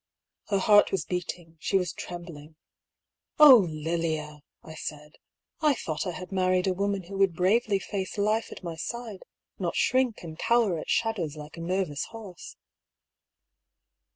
Her heart was beating, she was trembling. " Oh, Lilia !" I said. " I thought I had married a woman who would bravely face DIARY OF HUGH PAULL. I45 life at my side, not shrink and cower at shadows like a nervous horse."